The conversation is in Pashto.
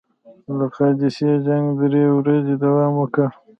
د قادسیې جنګ درې ورځې دوام وکړ.